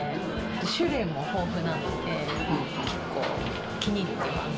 種類も豊富なので、結構、気に入っています。